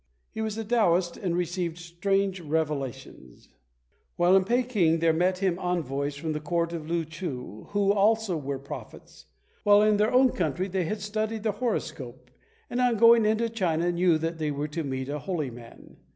He was a Taoist, and received strange revelations. While in Peking there met him envoys from the Court of Loochoo, who also were prophets. While in their own country they had studied the horoscope, and on going into China knew that they were to meet a Holy Man.